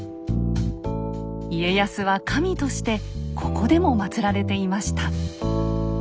家康は神としてここでもまつられていました。